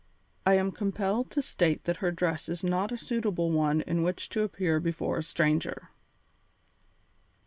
I am compelled to state that her dress is not a suitable one in which to appear before a stranger."